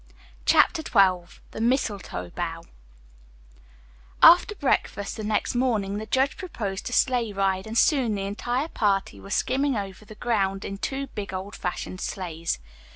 CHAPTER XII THE MISTLETOE BOUGH After breakfast the next morning the judge proposed a sleigh ride, and soon the entire party were skimming over the ground in two big old fashioned sleighs.